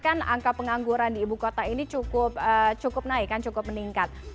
kan angka pengangguran di ibu kota ini cukup naik kan cukup meningkat